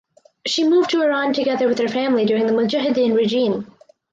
She moved to Iran together with her family during the Mujahideen regime.